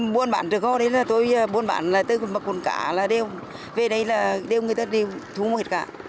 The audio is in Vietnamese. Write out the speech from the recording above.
buôn bán được rồi tôi buôn bán tôi mặc quần cá là đeo về đây là đeo người ta đi thu mua hết cả